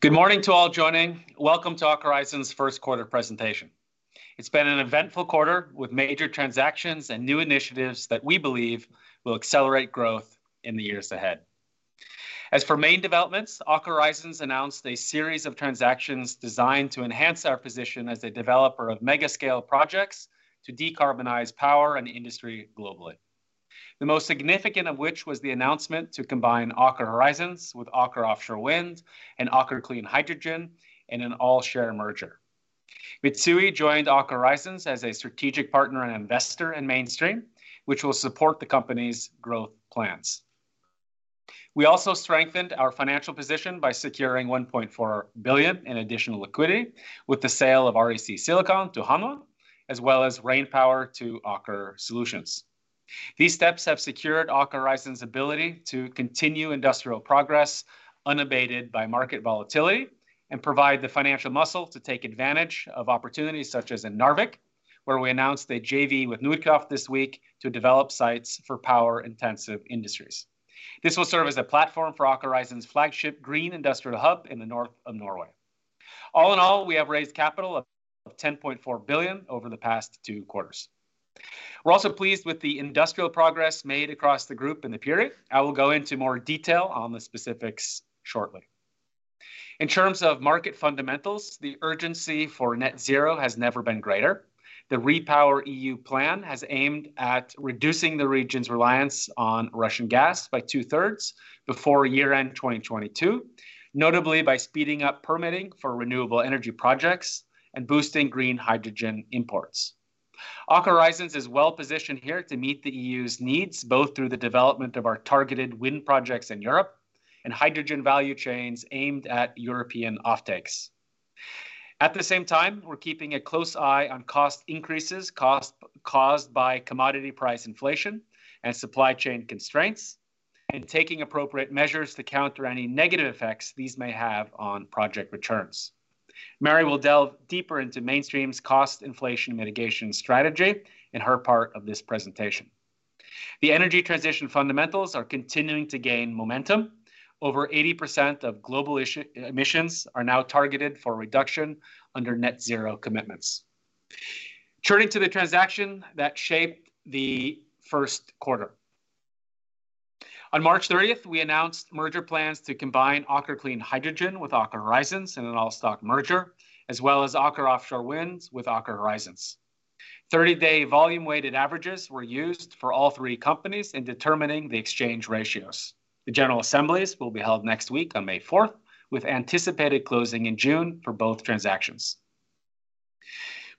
Good morning to all joining. Welcome to Aker Horizons' first quarter presentation. It's been an eventful quarter with major transactions and new initiatives that we believe will accelerate growth in the years ahead. As for main developments, Aker Horizons announced a series of transactions designed to enhance our position as a developer of mega scale projects to decarbonize power and industry globally. The most significant of which was the announcement to combine Aker Horizons with Aker Offshore Wind and Aker Clean Hydrogen in an all-share merger. Mitsui joined Aker Horizons as a strategic partner and investor in Mainstream, which will support the company's growth plans. We also strengthened our financial position by securing 1.4 billion in additional liquidity with the sale of REC Silicon to Hanwha, as well as Rainpower to Aker Solutions. These steps have secured Aker Horizons' ability to continue industrial progress unabated by market volatility and provide the financial muscle to take advantage of opportunities, such as in Narvik, where we announced a JV with Nordkraft this week to develop sites for power-intensive industries. This will serve as a platform for Aker Horizons' flagship green industrial hub in the north of Norway. All in all, we have raised capital of 10.4 billion over the past two quarters. We're also pleased with the industrial progress made across the group in the period. I will go into more detail on the specifics shortly. In terms of market fundamentals, the urgency for net zero has never been greater. The REPowerEU plan has aimed at reducing the region's reliance on Russian gas by two-thirds before year-end 2022, notably by speeding up permitting for renewable energy projects and boosting green hydrogen imports. Aker Horizons is well-positioned here to meet the E.U.'s needs, both through the development of our targeted wind projects in Europe and hydrogen value chains aimed at European offtakes. At the same time, we're keeping a close eye on cost increases, cost caused by commodity price inflation and supply chain constraints, and taking appropriate measures to counter any negative effects these may have on project returns. Mary will delve deeper into Mainstream's cost inflation mitigation strategy in her part of this presentation. The energy transition fundamentals are continuing to gain momentum. Over 80% of global GHG emissions are now targeted for reduction under net zero commitments. Turning to the transaction that shaped the first quarter. On March 30th, we announced merger plans to combine Aker Clean Hydrogen with Aker Horizons in an all-stock merger, as well as Aker Offshore Wind with Aker Horizons. 30-day volume-weighted averages were used for all three companies in determining the exchange ratios. The general assemblies will be held next week on May 4th, with anticipated closing in June for both transactions.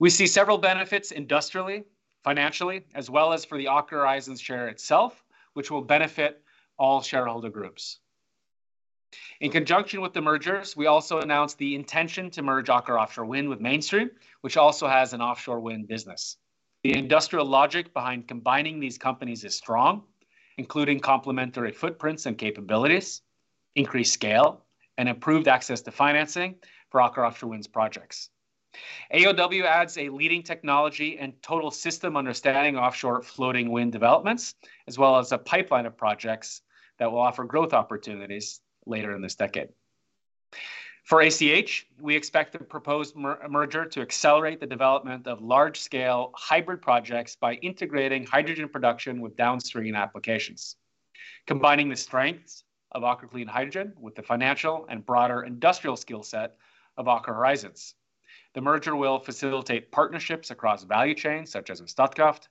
We see several benefits industrially, financially, as well as for the Aker Horizons share itself, which will benefit all shareholder groups. In conjunction with the mergers, we also announced the intention to merge Aker Offshore Wind with Mainstream, which also has an offshore wind business. The industrial logic behind combining these companies is strong, including complementary footprints and capabilities, increased scale, and improved access to financing for Aker Offshore Wind's projects. AOW adds a leading technology and total system understanding offshore floating wind developments, as well as a pipeline of projects that will offer growth opportunities later in this decade. For ACH, we expect the proposed merger to accelerate the development of large scale hybrid projects by integrating hydrogen production with downstream applications. Combining the strengths of Aker Clean Hydrogen with the financial and broader industrial skill set of Aker Horizons. The merger will facilitate partnerships across value chains such as in Statkraft,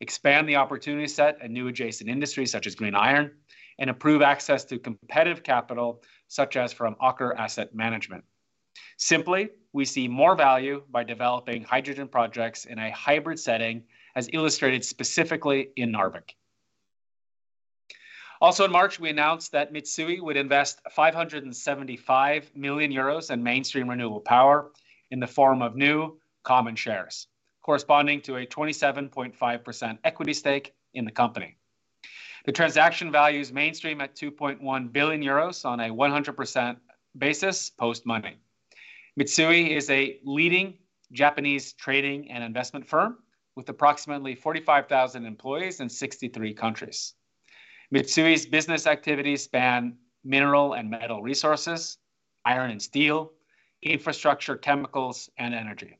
expand the opportunity set and new adjacent industries such as green iron, and improve access to competitive capital such as from Aker Asset Management. Simply, we see more value by developing hydrogen projects in a hybrid setting, as illustrated specifically in Narvik. Also in March, we announced that Mitsui would invest 575 million euros in Mainstream Renewable Power in the form of new common shares, corresponding to a 27.5% equity stake in the company. The transaction values Mainstream at 2.1 billion euros on a 100% basis post money. Mitsui is a leading Japanese trading and investment firm with approximately 45,000 employees in 63 countries. Mitsui's business activities span mineral and metal resources, iron and steel, infrastructure, chemicals, and energy.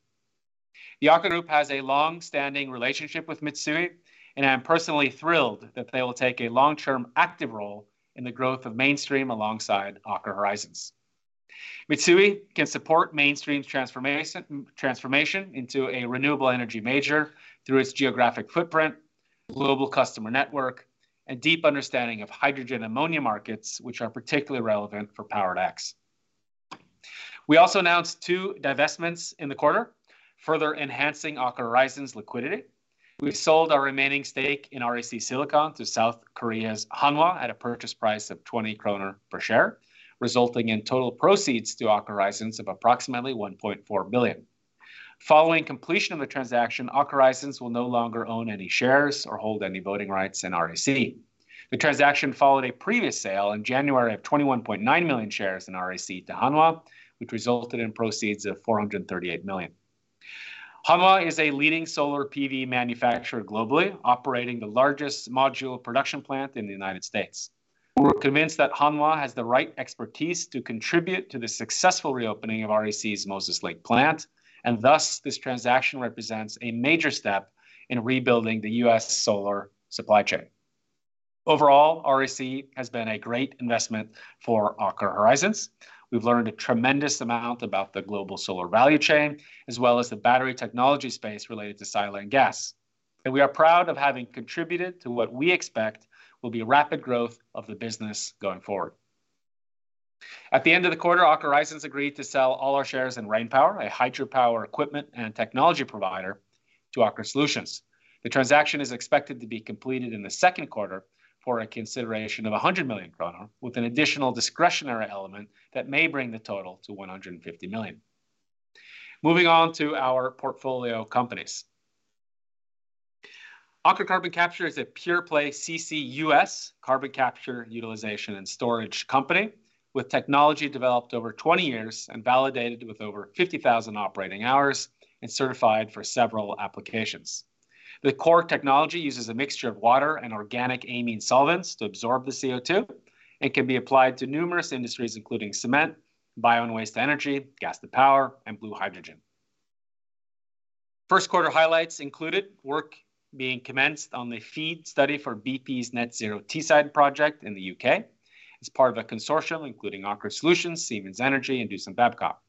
The Aker Group has a long-standing relationship with Mitsui, and I am personally thrilled that they will take a long-term active role in the growth of Mainstream alongside Aker Horizons. Mitsui can support Mainstream's transformation into a renewable energy major through its geographic footprint, global customer network, and deep understanding of hydrogen ammonia markets, which are particularly relevant for Power-to-X. We also announced 2 divestments in the quarter, further enhancing Aker Horizons liquidity. We sold our remaining stake in REC Silicon to South Korea's Hanwha at a purchase price of 20 kroner per share, resulting in total proceeds to Aker Horizons of approximately 1.4 billion. Following completion of the transaction, Aker Horizons will no longer own any shares or hold any voting rights in REC. The transaction followed a previous sale in January of 21.9 million shares in REC to Hanwha, which resulted in proceeds of 438 million. Hanwha is a leading solar PV manufacturer globally, operating the largest module production plant in the United States. We're convinced that Hanwha has the right expertise to contribute to the successful reopening of REC's Moses Lake plant, and thus this transaction represents a major step in rebuilding the U.S. solar supply chain. Overall, REC has been a great investment for Aker Horizons. We've learned a tremendous amount about the global solar value chain, as well as the battery technology space related to silane gas. We are proud of having contributed to what we expect will be rapid growth of the business going forward. At the end of the quarter, Aker Horizons agreed to sell all our shares in Rainpower, a hydropower equipment and technology provider, to Aker Solutions. The transaction is expected to be completed in the second quarter for a consideration of 100 million kroner with an additional discretionary element that may bring the total to 150 million. Moving on to our portfolio companies. Aker Carbon Capture is a pure play CCUS, carbon capture utilization and storage, company with technology developed over 20 years and validated with over 50,000 operating hours and certified for several applications. The core technology uses a mixture of water and organic amine solvents to absorb the CO2 and can be applied to numerous industries, including cement, bio and waste energy, gas to power, and blue hydrogen. First quarter highlights included work being commenced on the FEED study for BP's Net Zero Teesside project in the U.K. as part of a consortium including Aker Solutions, Siemens Energy, and Doosan Babcock.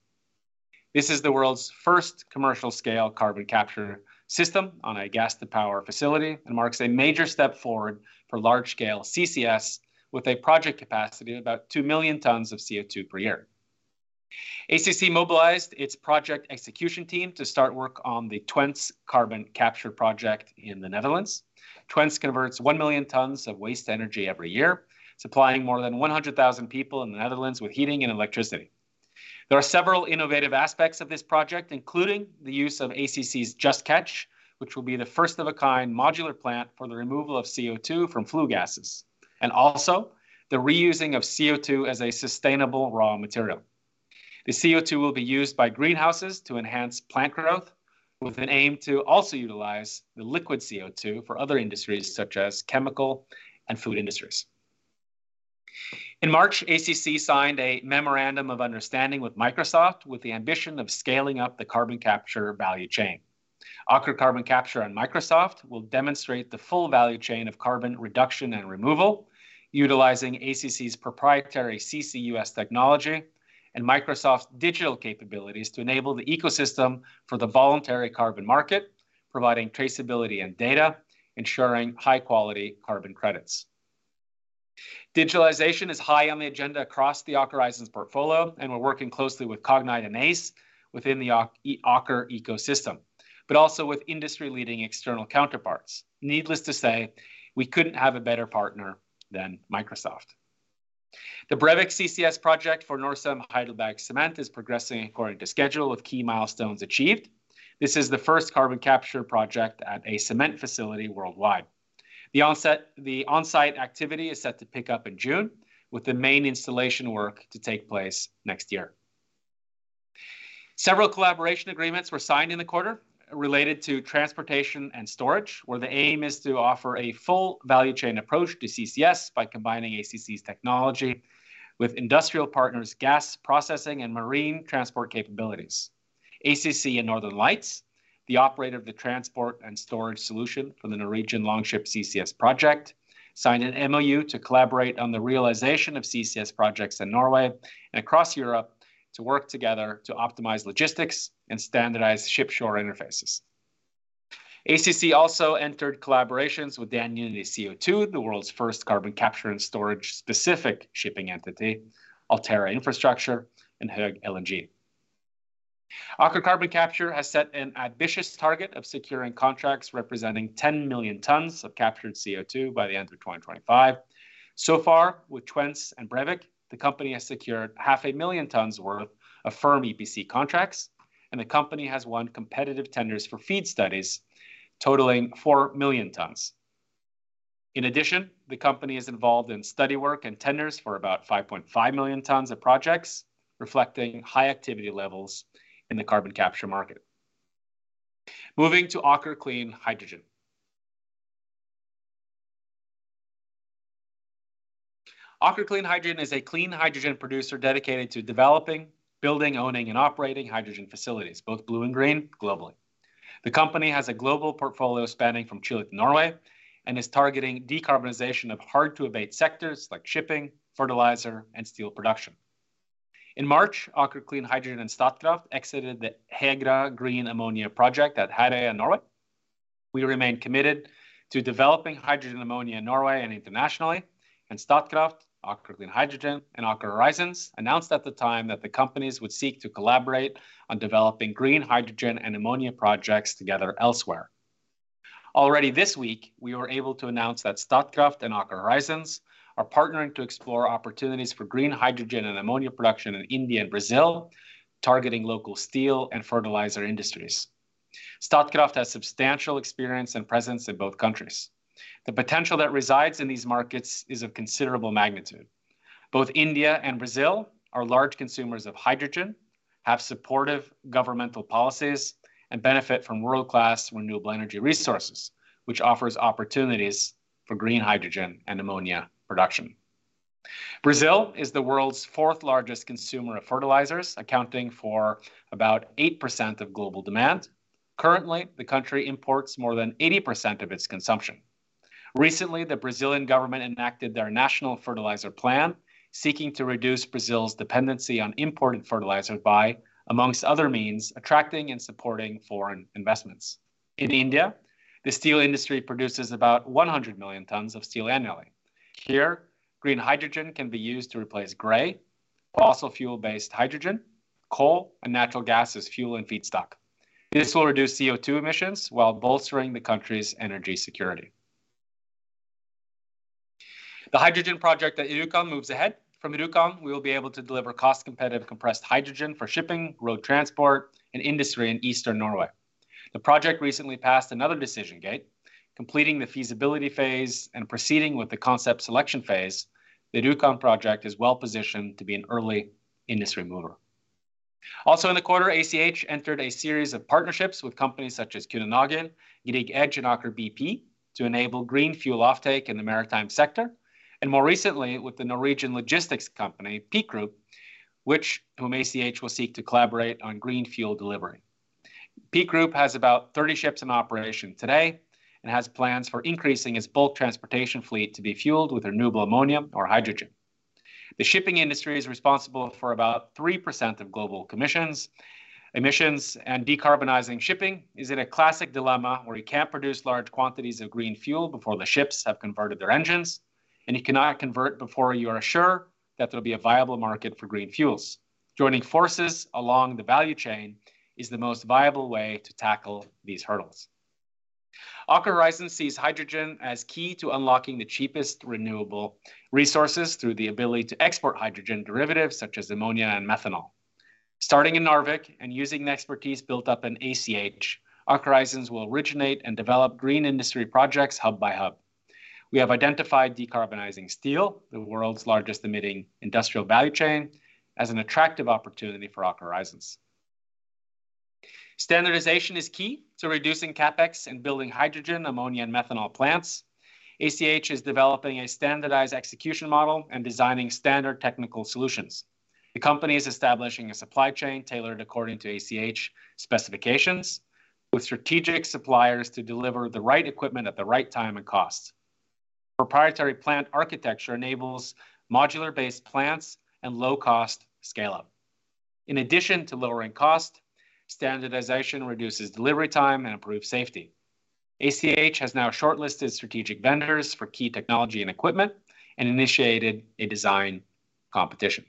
This is the world's first commercial scale carbon capture system on a gas to power facility and marks a major step forward for large scale CCS with a project capacity of about 2 million tons of CO2 per year. ACC mobilized its project execution team to start work on the Twente Carbon Capture project in the Netherlands. Twente converts 1,000,000 tons of waste energy every year, supplying more than 100,000 people in the Netherlands with heating and electricity. There are several innovative aspects of this project, including the use of ACC's JustCatch, which will be the first of a kind modular plant for the removal of CO2 from flue gases, and also the reusing of CO2 as a sustainable raw material. The CO2 will be used by greenhouses to enhance plant growth with an aim to also utilize the liquid CO2 for other industries, such as chemical and food industries. In March, ACC signed a memorandum of understanding with Microsoft with the ambition of scaling up the carbon capture value chain. Aker Carbon Capture and Microsoft will demonstrate the full value chain of carbon reduction and removal, utilizing ACC's proprietary CCUS technology and Microsoft's digital capabilities to enable the ecosystem for the voluntary carbon market, providing traceability and data, ensuring high quality carbon credits. Digitalization is high on the agenda across the Aker Horizons portfolio, and we're working closely with Cognite and Aize within the Aker ecosystem, but also with industry leading external counterparts. Needless to say, we couldn't have a better partner than Microsoft. The Brevik CCS project for Norcem, Heidelberg Materials is progressing according to schedule with key milestones achieved. This is the first carbon capture project at a cement facility worldwide. The on-site activity is set to pick up in June, with the main installation work to take place next year. Several collaboration agreements were signed in the quarter related to transportation and storage, where the aim is to offer a full value chain approach to CCS by combining ACC's technology with industrial partners, gas processing, and marine transport capabilities. ACC and Northern Lights, the operator of the transport and storage solution for the Norwegian Longship CCS project, signed an MOU to collaborate on the realization of CCS projects in Norway and across Europe to work together to optimize logistics and standardize ship shore interfaces. ACC also entered collaborations with Dan-Unity CO2, the world's first carbon capture and storage specific shipping entity, Altera Infrastructure, and Höegh LNG. Aker Carbon Capture has set an ambitious target of securing contracts representing 10 million tons of captured CO2 by the end of 2025. So far, with Twente and Brevik, the company has secured 500,000 tons worth of firm EPC contracts, and the company has won competitive tenders for FEED studies totaling 4 million tons. In addition, the company is involved in study work and tenders for about 5.5 million tons of projects, reflecting high activity levels in the carbon capture market. Moving to Aker Clean Hydrogen. Aker Clean Hydrogen is a clean hydrogen producer dedicated to developing, building, owning, and operating hydrogen facilities, both blue and green globally. The company has a global portfolio spanning from Chile to Norway and is targeting decarbonization of hard to abate sectors like shipping, fertilizer, and steel production. In March, Aker Clean Hydrogen and Statkraft exited the Hegra Green Ammonia project at Herøya, Norway. We remain committed to developing hydrogen ammonia in Norway and internationally, and Statkraft, Aker Clean Hydrogen, and Aker Horizons announced at the time that the companies would seek to collaborate on developing green hydrogen and ammonia projects together elsewhere. Already this week, we were able to announce that Statkraft and Aker Horizons are partnering to explore opportunities for green hydrogen and ammonia production in India and Brazil, targeting local steel and fertilizer industries. Statkraft has substantial experience and presence in both countries. The potential that resides in these markets is of considerable magnitude. Both India and Brazil are large consumers of hydrogen, have supportive governmental policies, and benefit from world-class renewable energy resources, which offers opportunities for green hydrogen and ammonia production. Brazil is the world's fourth largest consumer of fertilizers, accounting for about 8% of global demand. Currently, the country imports more than 80% of its consumption. Recently, the Brazilian government enacted their national fertilizer plan, seeking to reduce Brazil's dependency on imported fertilizer by, among other means, attracting and supporting foreign investments. In India, the steel industry produces about 100 million tons of steel annually. Here, green hydrogen can be used to replace gray, fossil fuel-based hydrogen, coal, and natural gas as fuel and feedstock. This will reduce CO2 emissions while bolstering the country's energy security. The hydrogen project at HyDuqm moves ahead. From HyDuqm, we will be able to deliver cost-competitive compressed hydrogen for shipping, road transport, and industry in eastern Norway. The project recently passed another decision gate. Completing the feasibility phase and proceeding with the concept selection phase, the HyDuqm project is well-positioned to be an early industry mover. In the quarter, ACH entered a series of partnerships with companies such as Knutsen OAS, Yara and Aker BP to enable green fuel offtake in the maritime sector and more recently with the Norwegian logistics company, Peak Group, with whom ACH will seek to collaborate on green fuel delivery. Peak Group has about 30 ships in operation today and has plans for increasing its bulk transportation fleet to be fueled with renewable ammonia or hydrogen. The shipping industry is responsible for about 3% of global CO₂ emissions and decarbonizing shipping is in a classic dilemma where you can't produce large quantities of green fuel before the ships have converted their engines, and you cannot convert before you are sure that there'll be a viable market for green fuels. Joining forces along the value chain is the most viable way to tackle these hurdles. Aker Horizons sees hydrogen as key to unlocking the cheapest renewable resources through the ability to export hydrogen derivatives such as ammonia and methanol. Starting in Narvik and using the expertise built up in ACH, Aker Horizons will originate and develop green industry projects hub by hub. We have identified decarbonizing steel, the world's largest emitting industrial value chain, as an attractive opportunity for Aker Horizons. Standardization is key to reducing CapEx and building hydrogen, ammonia, and methanol plants. ACH is developing a standardized execution model and designing standard technical solutions. The company is establishing a supply chain tailored according to ACH specifications with strategic suppliers to deliver the right equipment at the right time and cost. Proprietary plant architecture enables modular-based plants and low-cost scale-up. In addition to lowering cost, standardization reduces delivery time and improves safety. ACH has now shortlisted strategic vendors for key technology and equipment and initiated a design competition.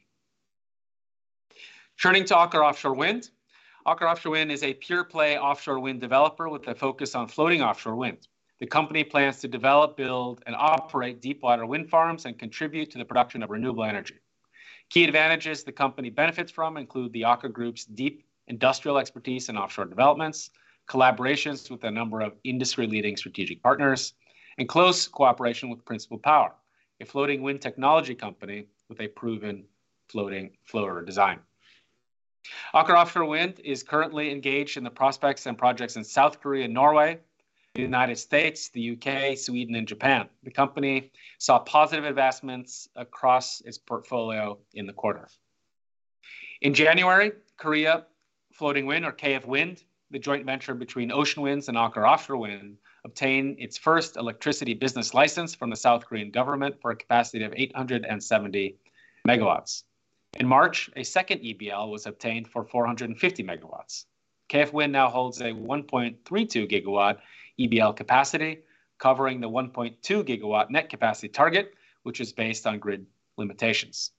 Turning to Aker Offshore Wind. Aker Offshore Wind is a pure play offshore wind developer with a focus on floating offshore wind. The company plans to develop, build, and operate deepwater wind farms and contribute to the production of renewable energy. Key advantages the company benefits from include the Aker Group's deep industrial expertise in offshore developments, collaborations with a number of industry-leading strategic partners, and close cooperation with Principle Power, a floating wind technology company with a proven floating floater design. Aker Offshore Wind is currently engaged in the prospects and projects in South Korea and Norway, the United States, the U.K., Sweden, and Japan. The company saw positive investments across its portfolio in the quarter. In January, Korea Floating Wind or KF Wind, the joint venture between Ocean Winds and Aker Offshore Wind, obtained its first electricity business license from the South Korean government for a capacity of 870 MW. In March, a second EBL was obtained for 450 MW. KF Wind now holds a 1.32 GW EBL capacity, covering the 1.2 GW net capacity target, which is based on grid limitations.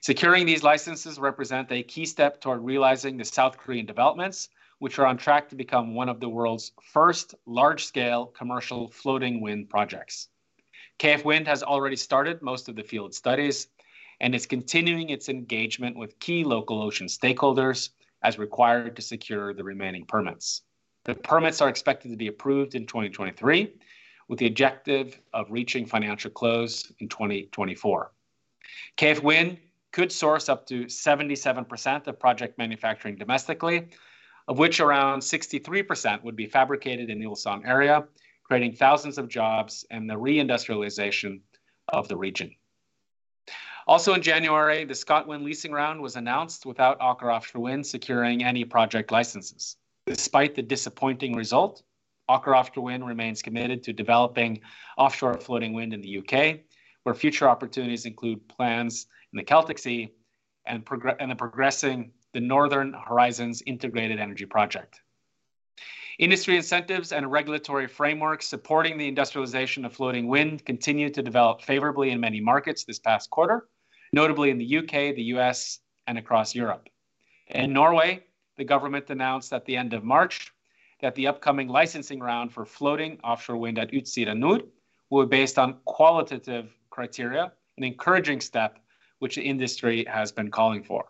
Securing these licenses represent a key step toward realizing the South Korean developments, which are on track to become one of the world's first large-scale commercial floating wind projects. KF Wind has already started most of the field studies, and is continuing its engagement with key local ocean stakeholders as required to secure the remaining permits. The permits are expected to be approved in 2023, with the objective of reaching financial close in 2024. KF Wind could source up to 77% of project manufacturing domestically, of which around 63% would be fabricated in the Ulsan area, creating thousands of jobs and the re-industrialization of the region. Also in January, the ScotWind leasing round was announced without Aker Offshore Wind securing any project licenses. Despite the disappointing result, Aker Offshore Wind remains committed to developing offshore floating wind in the U.K., where future opportunities include plans in the Celtic Sea and progressing the Northern Horizons integrated energy project. Industry incentives and regulatory frameworks supporting the industrialization of floating wind continued to develop favorably in many markets this past quarter, notably in the U.K., the U.S., and across Europe. In Norway, the government announced at the end of March that the upcoming licensing round for floating offshore wind at Utsira Nord were based on qualitative criteria, an encouraging step which the industry has been calling for.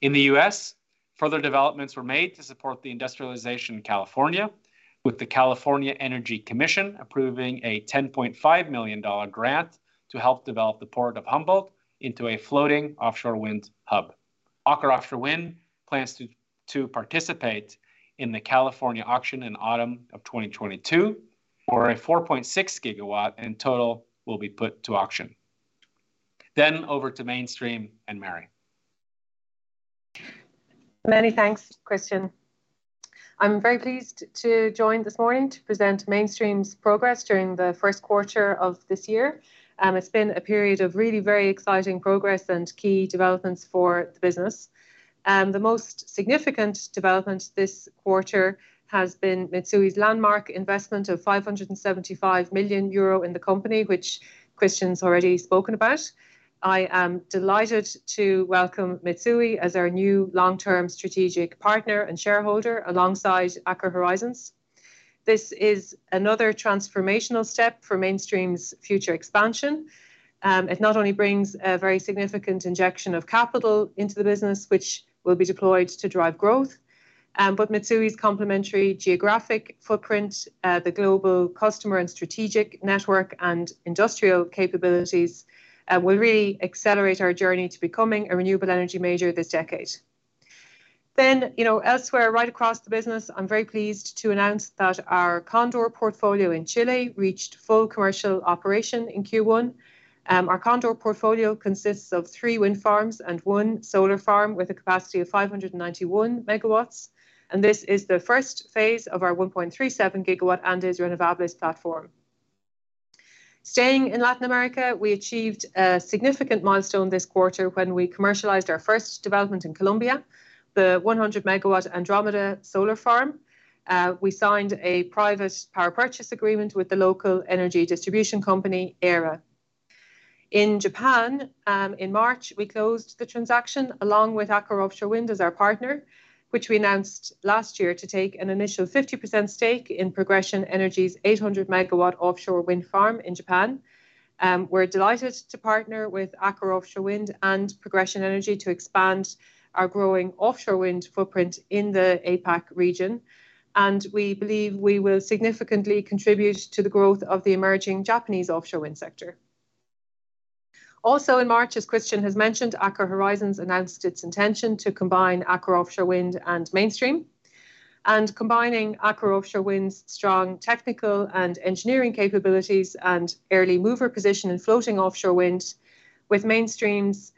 In the U.S., further developments were made to support the industrialization in California, with the California Energy Commission approving a $10.5 million grant to help develop the Port of Humboldt into a floating offshore wind hub. Aker Offshore Wind plans to participate in the California auction in autumn of 2022, where a 4.6 GW in total will be put to auction. Over to Mainstream and Mary. Many thanks, Kristian. I'm very pleased to join this morning to present Mainstream's progress during the first quarter of this year. It's been a period of really very exciting progress and key developments for the business. The most significant development this quarter has been Mitsui's landmark investment of 575 million euro in the company, which Kristian's already spoken about. I am delighted to welcome Mitsui as our new long-term strategic partner and shareholder alongside Aker Horizons. This is another transformational step for Mainstream's future expansion. It not only brings a very significant injection of capital into the business, which will be deployed to drive growth, but Mitsui's complementary geographic footprint, the global customer and strategic network and industrial capabilities, will really accelerate our journey to becoming a renewable energy major this decade. You know, elsewhere, right across the business, I'm very pleased to announce that our Cóndor portfolio in Chile reached full commercial operation in Q1. Our Cóndor portfolio consists of three wind farms and one solar farm with a capacity of 591 MW, and this is the first phase of our 1.37 GW Andes Renovables platform. Staying in Latin America, we achieved a significant milestone this quarter when we commercialized our first development in Colombia, the 100 MW Andromeda Solar Farm. We signed a private power purchase agreement with the local energy distribution company, Air-e. In Japan, in March, we closed the transaction along with Aker Offshore Wind as our partner, which we announced last year to take an initial 50% stake in Progression Energy's 800 MW offshore wind farm in Japan. We're delighted to partner with Aker Offshore Wind and Progression Energy to expand our growing offshore wind footprint in the APAC region, and we believe we will significantly contribute to the growth of the emerging Japanese offshore wind sector. Also in March, as Kristian has mentioned, Aker Horizons announced its intention to combine Aker Offshore Wind and Mainstream. Combining Aker Offshore Wind's strong technical and engineering capabilities and early mover position in floating offshore wind with Mainstream's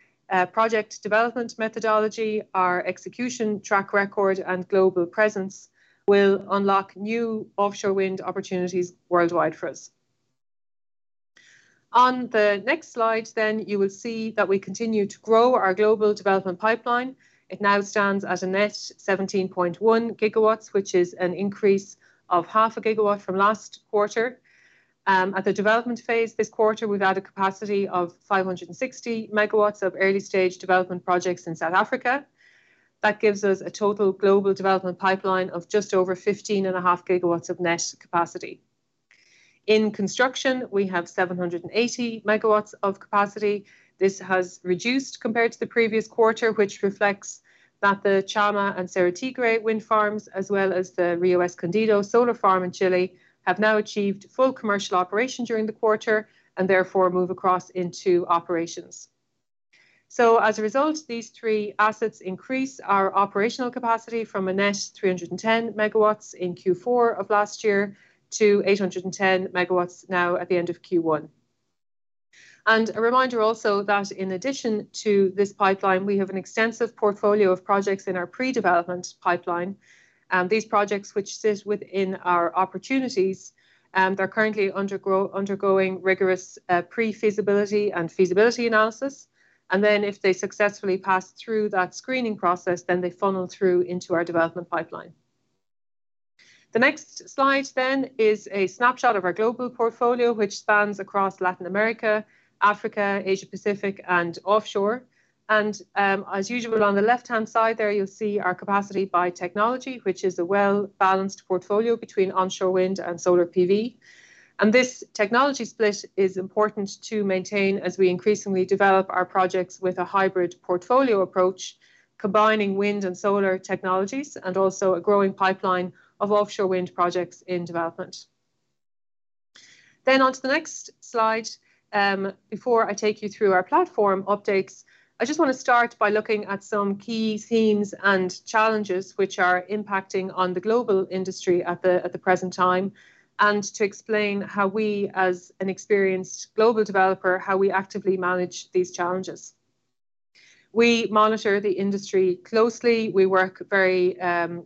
project development methodology, our execution track record and global presence will unlock new offshore wind opportunities worldwide for us. On the next slide, then you will see that we continue to grow our global development pipeline. It now stands at a net 17.1 GW, which is an increase of 0.5 GW from last quarter. At the development phase this quarter, we've added capacity of 560 MW of early-stage development projects in South Africa. That gives us a total global development pipeline of just over 15.5 GW of net capacity. In construction, we have 780 MW of capacity. This has reduced compared to the previous quarter, which reflects that the Tchamma and Cerro Tigre Wind Farms, as well as the Río Escondido Solar Farm in Chile, have now achieved full commercial operation during the quarter and therefore move across into operations. As a result, these three assets increase our operational capacity from a net 310 MW in Q4 of last year to 810 MW now at the end of Q1. A reminder also that in addition to this pipeline, we have an extensive portfolio of projects in our pre-development pipeline. These projects which sit within our opportunities, they're currently undergoing rigorous pre-feasibility and feasibility analysis. Then if they successfully pass through that screening process, then they funnel through into our development pipeline. The next slide then is a snapshot of our global portfolio, which spans across Latin America, Africa, Asia Pacific and offshore. As usual, on the left-hand side there, you'll see our capacity by technology, which is a well-balanced portfolio between onshore wind and solar PV. This technology split is important to maintain as we increasingly develop our projects with a hybrid portfolio approach, combining wind and solar technologies, and also a growing pipeline of offshore wind projects in development. On to the next slide. Before I take you through our platform updates, I just wanna start by looking at some key themes and challenges which are impacting on the global industry at the present time, and to explain how we, as an experienced global developer, actively manage these challenges. We monitor the industry closely. We work very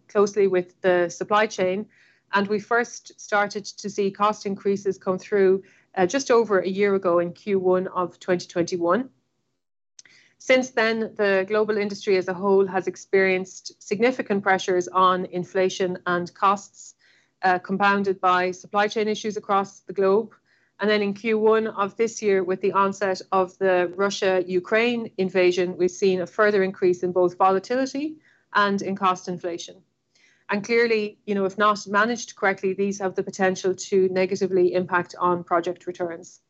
closely with the supply chain, and we first started to see cost increases come through just over a year ago in Q1 of 2021. Since then, the global industry as a whole has experienced significant pressures on inflation and costs, compounded by supply chain issues across the globe. In Q1 of this year, with the onset of the Russia-Ukraine invasion, we've seen a further increase in both volatility and in cost inflation. Clearly, you know, if not managed correctly, these have the potential to negatively impact on project returns.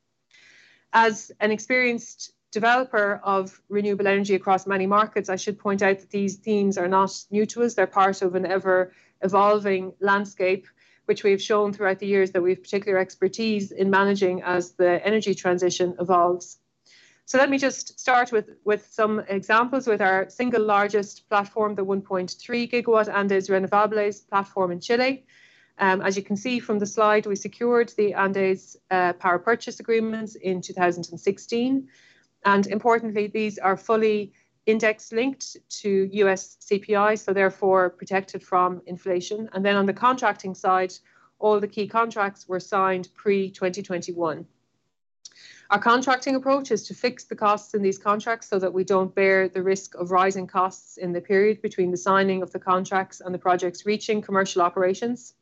As an experienced developer of renewable energy across many markets, I should point out that these themes are not new to us. They're part of an ever-evolving landscape, which we've shown throughout the years that we have particular expertise in managing as the energy transition evolves. Let me just start with some examples with our single largest platform, the 1.3 GW Andes Renovables platform in Chile. As you can see from the slide, we secured the Andes power purchase agreements in 2016. Importantly, these are fully index linked to U.S. CPI, so therefore protected from inflation. On the contracting side, all the key contracts were signed pre-2021. Our contracting approach is to fix the costs in these contracts so that we don't bear the risk of rising costs in the period between the signing of the contracts and the projects reaching commercial operations.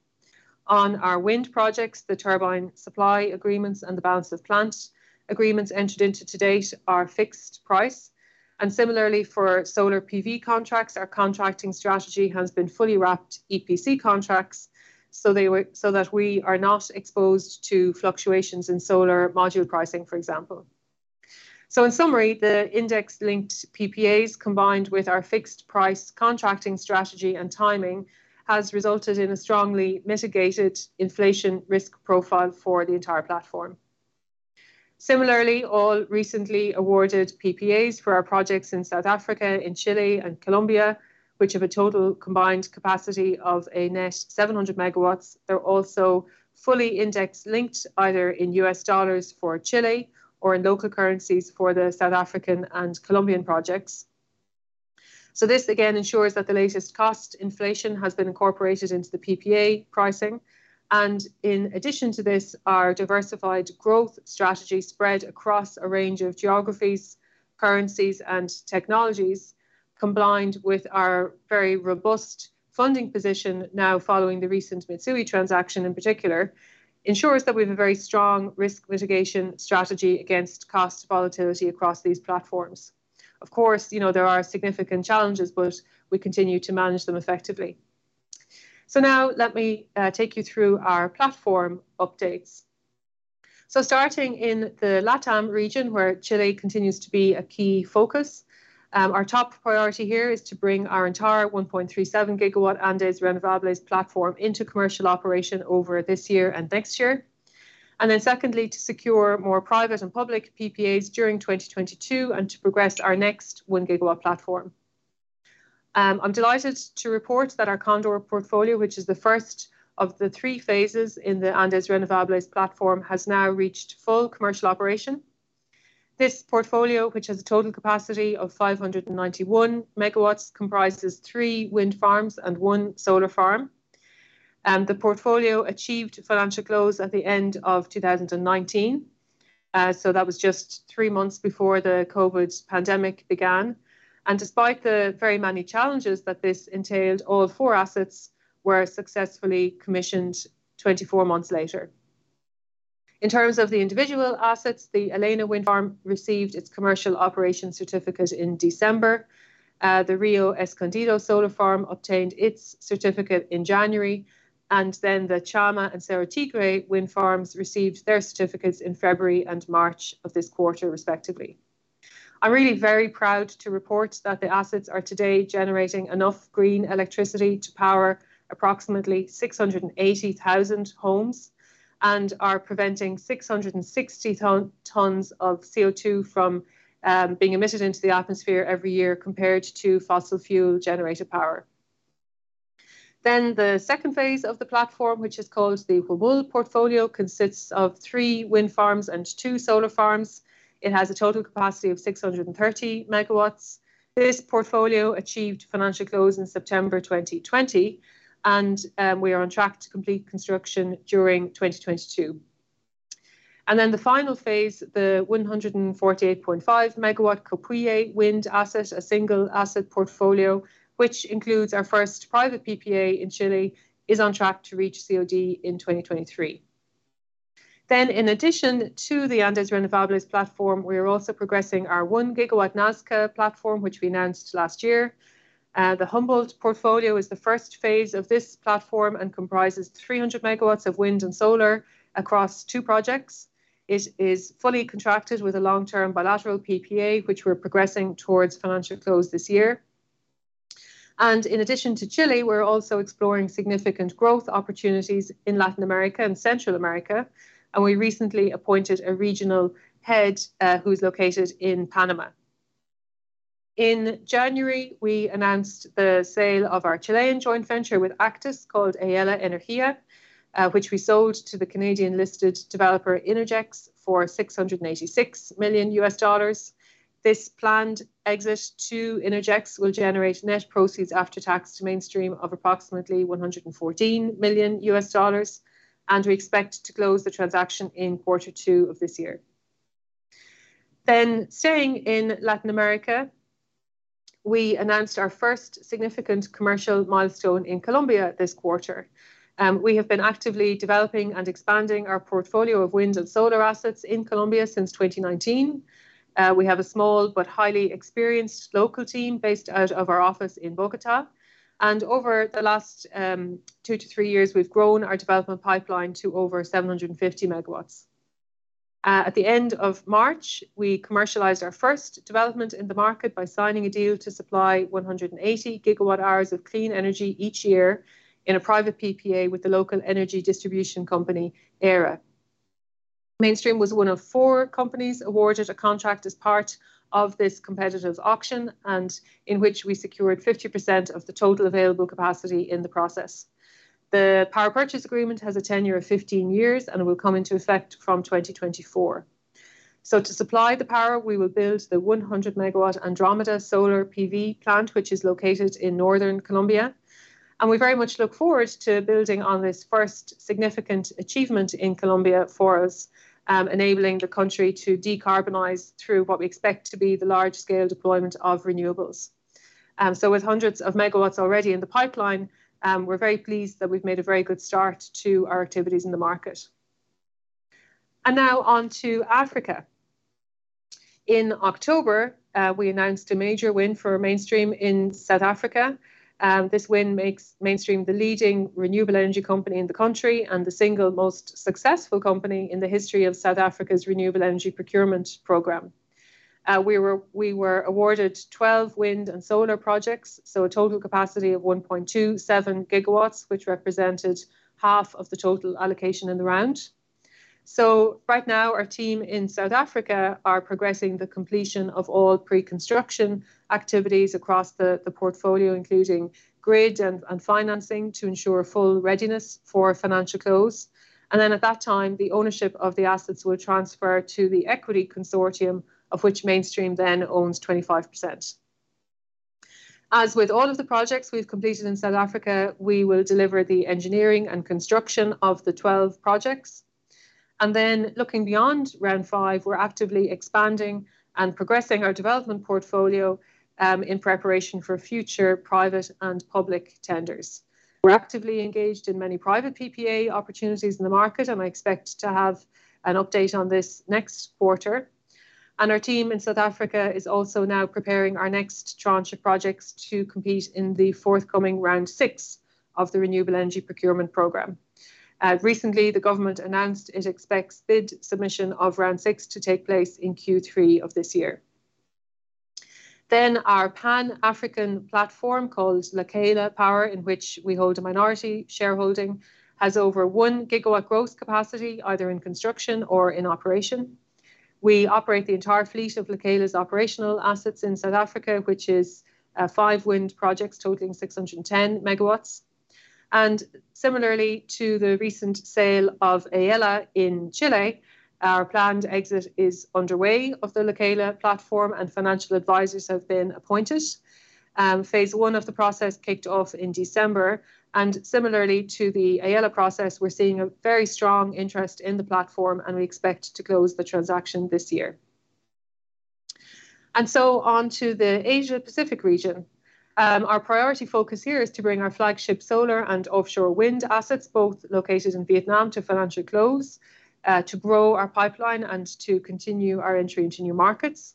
On our wind projects, the turbine supply agreements and the balance of plant agreements entered into to date are fixed price. Similarly for solar PV contracts, our contracting strategy has been fully wrapped EPC contracts, so that we are not exposed to fluctuations in solar module pricing, for example. In summary, the index-linked PPAs, combined with our fixed price contracting strategy and timing, has resulted in a strongly mitigated inflation risk profile for the entire platform. Similarly, all recently awarded PPAs for our projects in South Africa, in Chile and Colombia, which have a total combined capacity of a net 700 MW, they're also fully index-linked, either in U.S. dollars for Chile or in local currencies for the South African and Colombian projects. This again ensures that the latest cost inflation has been incorporated into the PPA pricing. In addition to this, our diversified growth strategy spread across a range of geographies, currencies, and technologies, combined with our very robust funding position now following the recent Mitsui transaction in particular, ensures that we have a very strong risk mitigation strategy against cost volatility across these platforms. Of course, you know, there are significant challenges, but we continue to manage them effectively. Now let me take you through our platform updates. Starting in the LATAM region, where Chile continues to be a key focus, our top priority here is to bring our entire 1.37 GW Andes Renovables platform into commercial operation over this year and next year. Then secondly, to secure more private and public PPAs during 2022 and to progress our next 1 GW platform. I'm delighted to report that our Cóndor portfolio, which is the first of the three phases in the Andes Renovables platform, has now reached full commercial operation. This portfolio, which has a total capacity of 591 MW, comprises three wind farms and one solar farm. The portfolio achieved financial close at the end of 2019. That was just three months before the COVID pandemic began. Despite the very many challenges that this entailed, all four assets were successfully commissioned 24 months later. In terms of the individual assets, the Alena Wind Farm received its commercial operation certificate in December. The Río Escondido Solar Farm obtained its certificate in January, and then the Tchamma and Cerro Tigre wind farms received their certificates in February and March of this quarter, respectively. I'm really very proud to report that the assets are today generating enough green electricity to power approximately 680,000 homes and are preventing 660 tons of CO2 from being emitted into the atmosphere every year compared to fossil fuel-generated power. The second phase of the platform, which is called the Huemul portfolio, consists of three wind farms and two solar farms. It has a total capacity of 630 MW. This portfolio achieved financial close in September 2020, and we are on track to complete construction during 2022. The final phase, the 148.5 MW Copihue wind asset, a single asset portfolio, which includes our first private PPA in Chile, is on track to reach COD in 2023. In addition to the Andes Renovables platform, we are also progressing our 1 GW Nazca platform, which we announced last year. The Humboldt portfolio is the first phase of this platform and comprises 300 MW of wind and solar across two projects. It is fully contracted with a long-term bilateral PPA, which we're progressing towards financial close this year. In addition to Chile, we're also exploring significant growth opportunities in Latin America and Central America, and we recently appointed a regional head, who's located in Panama. In January, we announced the sale of our Chilean joint venture with Actis called Aela Energía, which we sold to the Canadian-listed developer Innergex for $686 million. This planned exit to Innergex will generate net proceeds after tax to Mainstream of approximately $114 million, and we expect to close the transaction in quarter two of this year. Staying in Latin America, we announced our first significant commercial milestone in Colombia this quarter. We have been actively developing and expanding our portfolio of wind and solar assets in Colombia since 2019. We have a small but highly experienced local team based out of our office in Bogotá. Over the last two-three years, we've grown our development pipeline to over 750 MW. At the end of March, we commercialized our first development in the market by signing a deal to supply 180 GWh of clean energy each year in a private PPA with the local energy distribution company, Air-e Colombia. Mainstream was one of four companies awarded a contract as part of this competitive auction, and in which we secured 50% of the total available capacity in the process. The power purchase agreement has a tenure of 15 years and will come into effect from 2024. To supply the power, we will build the 100 MW Andromeda Solar Farm, which is located in northern Colombia. We very much look forward to building on this first significant achievement in Colombia for us, enabling the country to decarbonize through what we expect to be the large-scale deployment of renewables. With hundreds of MW already in the pipeline, we're very pleased that we've made a very good start to our activities in the market. Now on to Africa. In October, we announced a major win for Mainstream in South Africa. This win makes Mainstream the leading renewable energy company in the country and the single most successful company in the history of South Africa's renewable energy procurement program. We were awarded 12 wind and solar projects, so a total capacity of 1.27 GWs, which represented half of the total allocation in the round. Right now, our team in South Africa are progressing the completion of all pre-construction activities across the portfolio, including grid and financing to ensure full readiness for financial close. At that time, the ownership of the assets will transfer to the equity consortium, of which Mainstream then owns 25%. As with all of the projects we've completed in South Africa, we will deliver the engineering and construction of the 12 projects. Looking beyond Round Five, we're actively expanding and progressing our development portfolio in preparation for future private and public tenders. We're actively engaged in many private PPA opportunities in the market, and I expect to have an update on this next quarter. Our team in South Africa is also now preparing our next tranche of projects to compete in the forthcoming Round Six of the Renewable Energy Procurement Program. Recently, the government announced it expects bid submission of Round 6 to take place in Q3 of this year. Our Pan-African platform, called Lekela Power, in which we hold a minority shareholding, has over 1 GW growth capacity, either in construction or in operation. We operate the entire fleet of Lekela's operational assets in South Africa, which is five wind projects totaling 610 MW. Similarly to the recent sale of Aela in Chile, our planned exit is underway of the Lekela platform, and financial advisors have been appointed. Phase 1 of the process kicked off in December, and similarly to the Aela process, we're seeing a very strong interest in the platform, and we expect to close the transaction this year. To the Asia-Pacific region. Our priority focus here is to bring our flagship solar and offshore wind assets, both located in Vietnam, to financial close, to grow our pipeline and to continue our entry into new markets.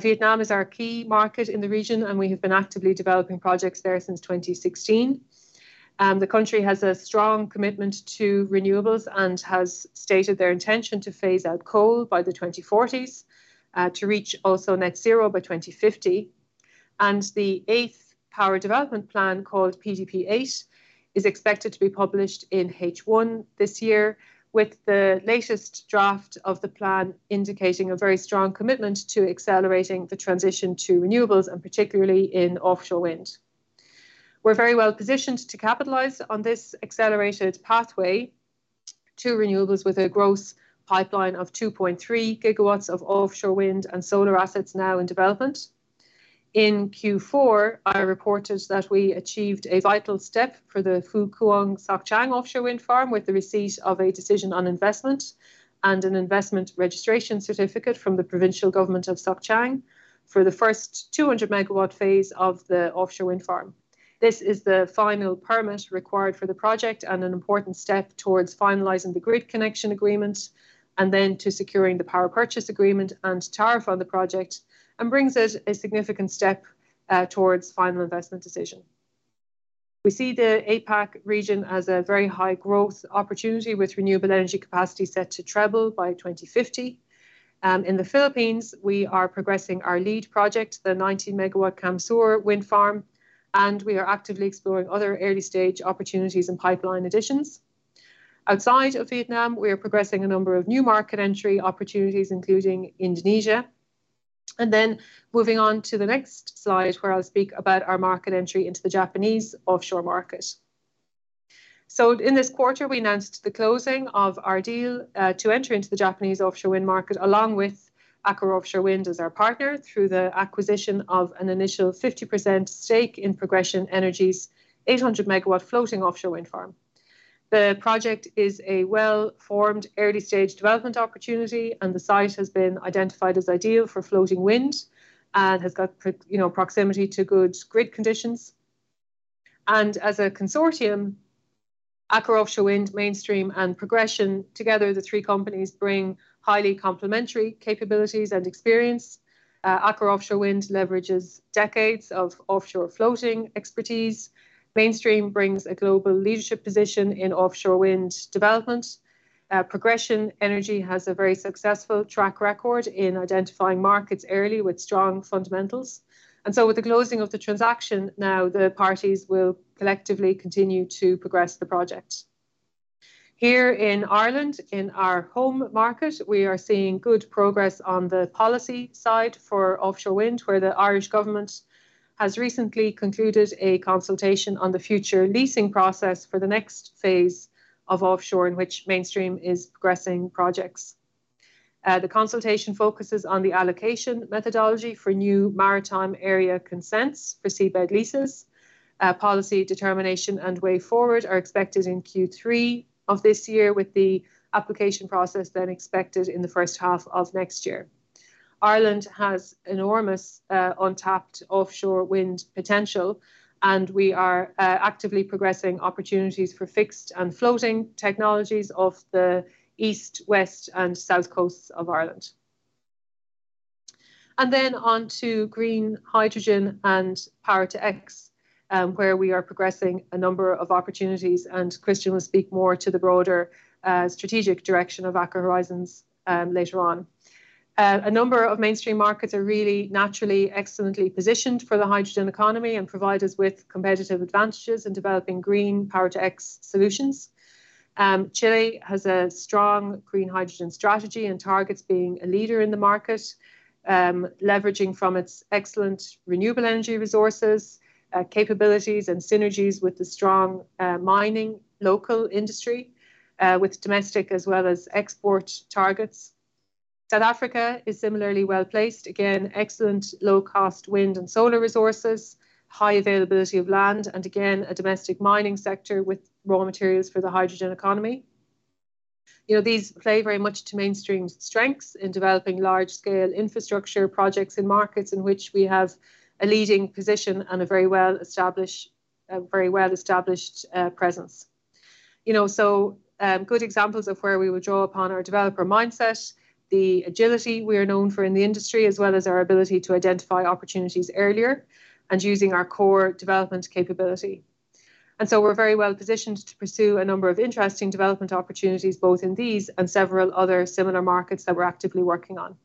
Vietnam is our key market in the region, and we have been actively developing projects there since 2016. The country has a strong commitment to renewables and has stated their intention to phase out coal by the 2040s, to reach also net zero by 2050. The 8th power development plan, called PDP8, is expected to be published in H1 this year, with the latest draft of the plan indicating a very strong commitment to accelerating the transition to renewables, and particularly in offshore wind. We're very well-positioned to capitalize on this accelerated pathway to renewables with a growth pipeline of 2.3 GWs of offshore wind and solar assets now in development. In Q4, I reported that we achieved a vital step for the Phu Cuong Soc Trang offshore wind farm with the receipt of a decision on investment and an investment registration certificate from the provincial government of Soc Trang for the first 200-megawatt phase of the offshore wind farm. This is the final permit required for the project and an important step towards finalizing the grid connection agreement, and then to securing the power purchase agreement and tariff on the project, and brings us a significant step towards final investment decision. We see the APAC region as a very high-growth opportunity with renewable energy capacity set to treble by 2050. In the Philippines, we are progressing our lead project, the 90 MW Camarines Sur wind farm, and we are actively exploring other early-stage opportunities and pipeline additions. Outside of Vietnam, we are progressing a number of new market entry opportunities, including Indonesia. Moving on to the next slide, where I'll speak about our market entry into the Japanese offshore market. In this quarter, we announced the closing of our deal to enter into the Japanese offshore wind market, along with Aker Offshore Wind as our partner, through the acquisition of an initial 50% stake in Progression Energy's 800 MW floating offshore wind farm. The project is a well-formed early-stage development opportunity, and the site has been identified as ideal for floating wind and has got, you know, proximity to good grid conditions. As a consortium, Aker Offshore Wind, Mainstream, and Progression, together the three companies bring highly complementary capabilities and experience. Aker Offshore Wind leverages decades of offshore floating expertise. Mainstream brings a global leadership position in offshore wind development. Progression Energy has a very successful track record in identifying markets early with strong fundamentals. With the closing of the transaction, now the parties will collectively continue to progress the project. Here in Ireland, in our home market, we are seeing good progress on the policy side for offshore wind, where the Irish government has recently concluded a consultation on the future leasing process for the next phase of offshore in which Mainstream is progressing projects. The consultation focuses on the allocation methodology for new maritime area consents for seabed leases. Policy determination and way forward are expected in Q3 of this year, with the application process then expected in the first half of next year. Ireland has enormous untapped offshore wind potential, and we are actively progressing opportunities for fixed and floating technologies off the east, west, and south coasts of Ireland. On to green hydrogen and power-to-X, where we are progressing a number of opportunities, and Kristian will speak more to the broader strategic direction of Aker Horizons later on. A number of Mainstream markets are really naturally excellently positioned for the hydrogen economy and provide us with competitive advantages in developing green power-to-X solutions. Chile has a strong green hydrogen strategy and targets being a leader in the market, leveraging from its excellent renewable energy resources, capabilities and synergies with the strong local mining industry, with domestic as well as export targets. South Africa is similarly well-placed. Again, excellent low-cost wind and solar resources, high availability of land, and again, a domestic mining sector with raw materials for the hydrogen economy. You know, these play very much to Mainstream's strengths in developing large scale infrastructure projects in markets in which we have a leading position and a very well-established presence. You know, good examples of where we would draw upon our developer mindset, the agility we are known for in the industry, as well as our ability to identify opportunities earlier and using our core development capability. We're very well-positioned to pursue a number of interesting development opportunities, both in these and several other similar markets that we're actively working on.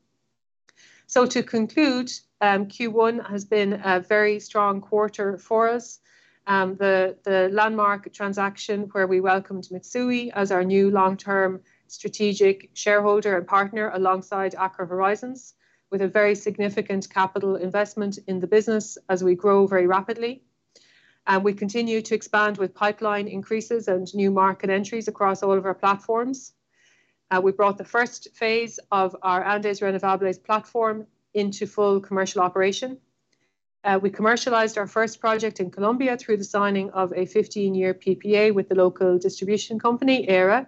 To conclude, Q1 has been a very strong quarter for us. The landmark transaction where we welcomed Mitsui as our new long-term strategic shareholder and partner alongside Aker Horizons, with a very significant capital investment in the business as we grow very rapidly. We continue to expand with pipeline increases and new market entries across all of our platforms. We brought the first phase of our Andes Renovables platform into full commercial operation. We commercialized our first project in Colombia through the signing of a 15-year PPA with the local distribution company, Air-e.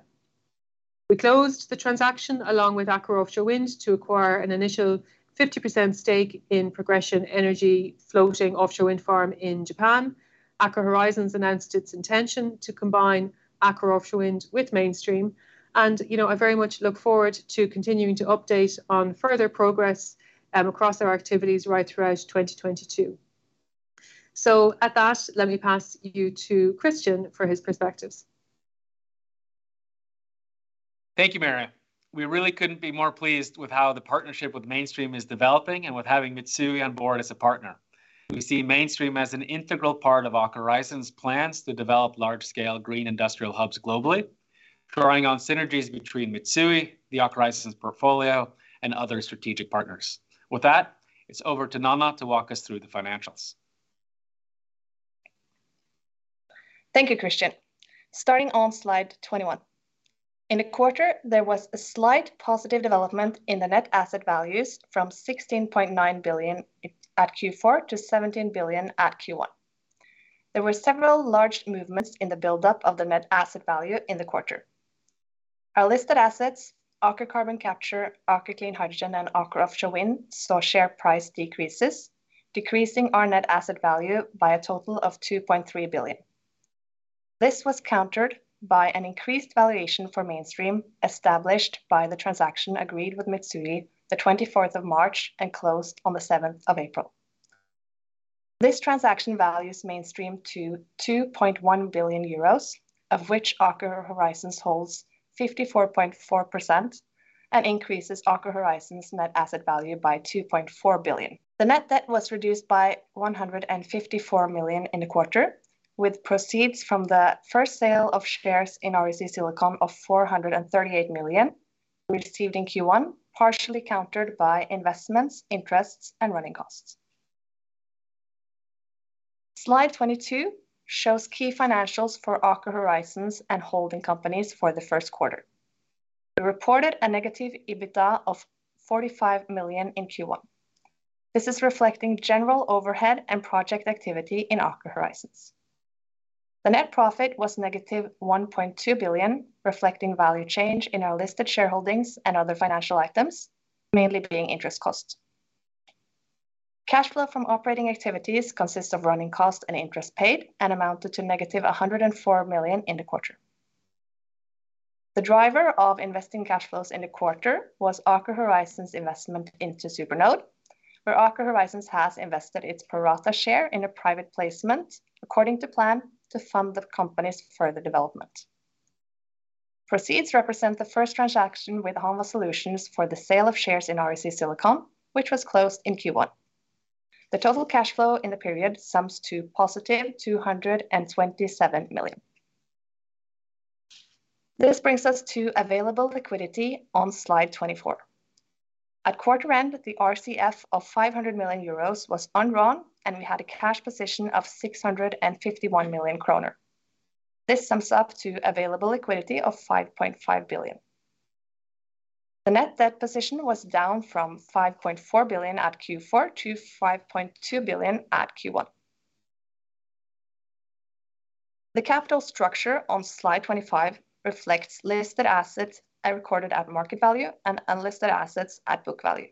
We closed the transaction along with Aker Offshore Wind to acquire an initial 50% stake in Progression Energy floating offshore wind farm in Japan. Aker Horizons announced its intention to combine Aker Offshore Wind with Mainstream. You know, I very much look forward to continuing to update on further progress across our activities right throughout 2022. At that, let me pass you to Kristian for his perspectives. Thank you, Mary. We really couldn't be more pleased with how the partnership with Mainstream is developing and with having Mitsui on board as a partner. We see Mainstream as an integral part of Aker Horizons' plans to develop large-scale green industrial hubs globally, drawing on synergies between Mitsui, the Aker Horizons portfolio, and other strategic partners. With that, it's over to Nanna to walk us through the financials. Thank you, Kristian. Starting on slide 21. In the quarter, there was a slight positive development in the net asset values from 16.9 billion at Q4 to 17 billion at Q1. There were several large movements in the buildup of the net asset value in the quarter. Our listed assets, Aker Carbon Capture, Aker Clean Hydrogen, and Aker Offshore Wind, saw share price decreases, decreasing our net asset value by a total of 2.3 billion. This was countered by an increased valuation for Mainstream established by the transaction agreed with Mitsui the 24th of March and closed on the 7th of April. This transaction values Mainstream to 2.1 billion euros, of which Aker Horizons holds 54.4% and increases Aker Horizons' net asset value by 2.4 billion. The net debt was reduced by 154 million in the quarter, with proceeds from the first sale of shares in REC Silicon of 438 million received in Q1, partially countered by investments, interests, and running costs. Slide 22 shows key financials for Aker Horizons and holding companies for the first quarter. We reported a negative EBITDA of 45 million in Q1. This is reflecting general overhead and project activity in Aker Horizons. The net profit was negative 1.2 billion, reflecting value change in our listed shareholdings and other financial items, mainly being interest costs. Cash flow from operating activities consists of running cost and interest paid and amounted to negative 104 million in the quarter. The driver of investing cash flows in the quarter was Aker Horizons investment into SuperNode, where Aker Horizons has invested its pro rata share in a private placement according to plan to fund the company's further development. Proceeds represent the first transaction with Hanwha Solutions for the sale of shares in REC Silicon, which was closed in Q1. The total cash flow in the period sums to positive 227 million. This brings us to available liquidity on slide 24. At quarter end, the RCF of 500 million euros was undrawn, and we had a cash position of 651 million kroner. This sums up to available liquidity of 5.5 billion. The net debt position was down from 5.4 billion at Q4 to 5.2 billion at Q1. The capital structure on slide 25 reflects listed assets recorded at market value and unlisted assets at book value.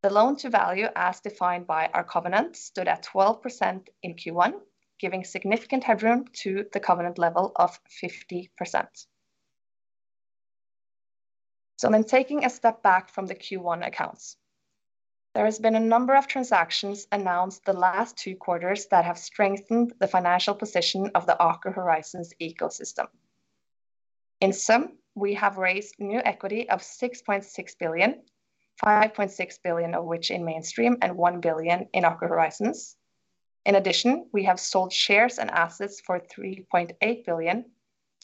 The loan to value as defined by our covenant stood at 12% in Q1, giving significant headroom to the covenant level of 50%. In taking a step back from the Q1 accounts, there has been a number of transactions announced the last two quarters that have strengthened the financial position of the Aker Horizons ecosystem. In sum, we have raised new equity of 6.6 billion, 5.6 billion of which in Mainstream and 1 billion in Aker Horizons. In addition, we have sold shares and assets for 3.8 billion,